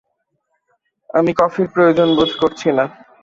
আমি কফির প্রয়োজন বোধ করছি না।